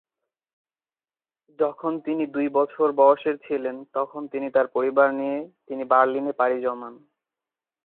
যখন তিনি দুই বছর বয়সের ছিলেন তখন তিনি তার পরিবার নিয়ে তিনি বার্লিনে পাড়ি জমান।